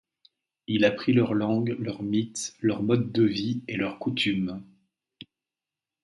Il apprit leur langue, leurs mythes, leur mode de vie et leurs coutumes.